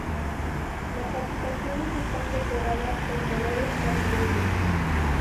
Las habitaciones están decoradas con colores caribeños.